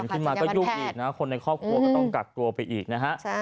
นั่นสิครับเป็นขึ้นมาก็ยุ่งอีกนะครับคนในครอบครัวก็ต้องกลับตัวไปอีกนะครับ